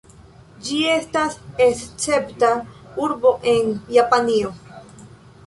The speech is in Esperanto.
Ĝi estas Escepta urbo en Japanio.